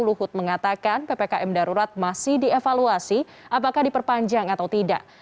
luhut mengatakan ppkm darurat masih dievaluasi apakah diperpanjang atau tidak